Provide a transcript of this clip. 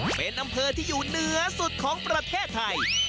เป็นอำเภอที่อยู่เหนือสุดของประเทศไทย